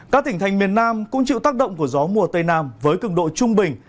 các tỉnh thành miền nam cũng chịu tác động của gió mùa tây nam với cứng độ trung bình